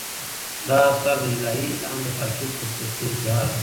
دا اثر د الهي الهام د تعقیب فلسفي اظهار دی.